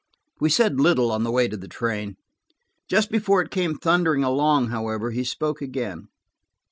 We said little on the way to the train. Just before it came thundering along, however, he spoke again.